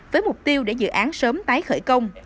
với mục tiêu để dự án sớm tái khởi công